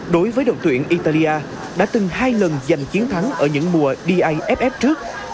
đối với đội tuyển italia đã từng hai lần giành chiến thắng ở những mùa daff trước